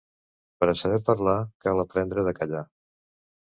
Per a saber parlar cal aprendre de callar.